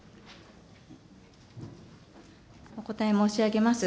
お答え申し上げます。